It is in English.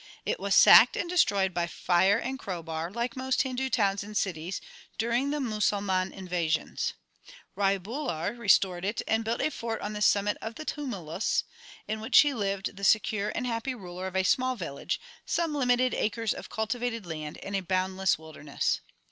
It was sacked and destroyed by fire and crowbar, like most Hindu towns and cities, during the Musalman invasions. Rai Bular restored it and built a fort on the summit of the tumulus, in which he lived the secure and happy ruler of a small village, some limited acres of cultivated land, and a boundless wilderness.